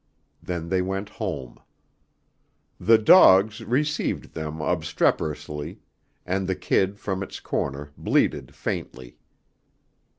Then they went home. The dogs received them obstreperously, and the kid from its corner bleated faintly.